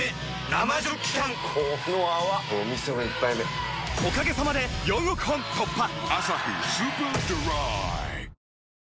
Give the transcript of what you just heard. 生ジョッキ缶この泡これお店の一杯目おかげさまで４億本突破！